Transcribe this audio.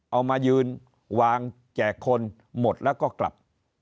เอามายืนวางแจกคนหมดแล้วก็กลับ